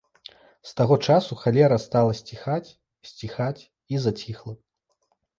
З таго часу халера стала сціхаць, сціхаць і заціхла.